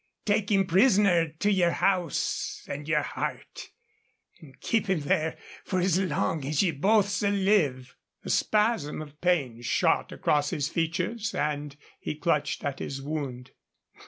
Take him prisoner to yer house and yer heart, and keep him there for as long as ye both shall live." A spasm of pain shot across his features, and he clutched at his wound.